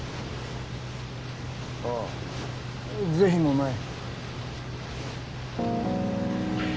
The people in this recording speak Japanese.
ああ是非もない。